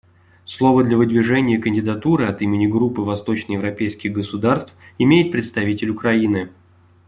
Слово для выдвижения кандидатуры от имени Группы восточноевропейских государств имеет представитель Украины.